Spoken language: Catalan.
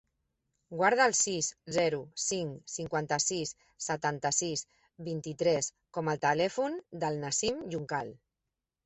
Guarda el sis, zero, cinc, cinquanta-sis, setanta-sis, vint-i-tres com a telèfon del Nassim Juncal.